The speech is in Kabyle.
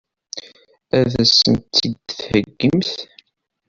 Ad sen-tt-id-theggimt?